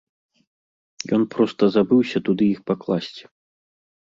Ён проста забыўся туды іх пакласці!